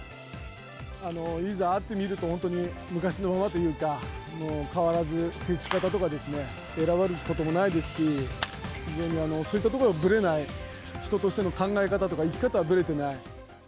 いざ、会ってみると、本当に昔のままというか、変わらず接し方とかですね、偉ぶることもないですし、非常にそういったところがぶれない、人としての考え方とか生き方はぶれてない。